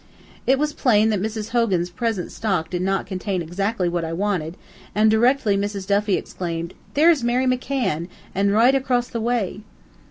It was plain that Mrs. Hogan's present stock did not contain exactly what I wanted, and directly Mrs. Duffy exclaimed! "There's Mary McCann an' roight across the way!"